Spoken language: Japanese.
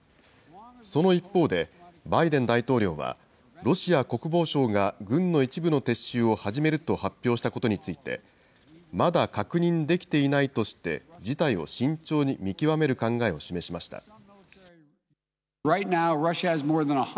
その一方で、バイデン大統領は、ロシア国防省が軍の一部の撤収を始めると発表したことについて、まだ確認できていないとして、事態を慎重に見極める考えを示しました。